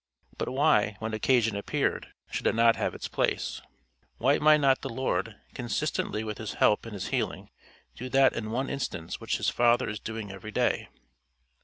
But why, when occasion appeared, should it not have its place? Why might not the Lord, consistently with his help and his healing, do that in one instance which his Father is doing every day?